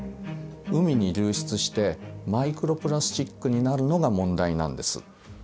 海に流出してマイクロプラスチックになるのが問題なんです。